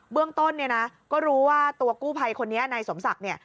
เบื้องต้นก็รู้ว่าตัวกู้ภัยคนนี้นายสมศักดิ์